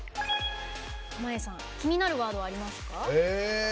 濱家さん、気になるワードはありますか？